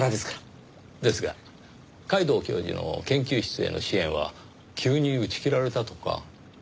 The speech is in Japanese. ですが皆藤教授の研究室への支援は急に打ち切られたとか？